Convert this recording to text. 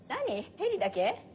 ヘリだけ？